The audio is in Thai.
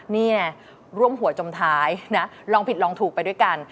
นี่ไงร่วมหัวจมท้ายนะลองผิดลองถูกไปด้วยกัน